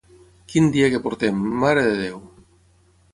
Quin dia que portem, marededeu!